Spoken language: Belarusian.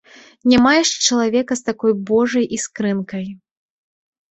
Няма яшчэ чалавека з такой божай іскрынкай.